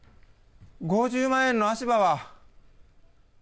５０万円の足場は？